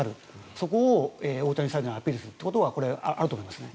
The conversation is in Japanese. そこを大谷サイドにアピールするというのはあると思いますね。